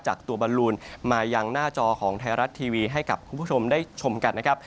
จากตัวบอลลูนมายังหน้าจอของไทยรัฐทีวีให้กับคุณผู้ชมได้ชมกันนะครับ